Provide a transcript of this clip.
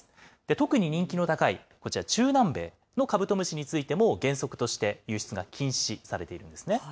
特に人気の高いこちら、中南米のカブトムシについても、原則として輸出が禁止されているんですね。